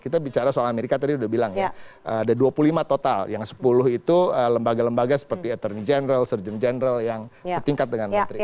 kita bicara soal amerika tadi udah bilang ya ada dua puluh lima total yang sepuluh itu lembaga lembaga seperti ethony general serjen general yang setingkat dengan menteri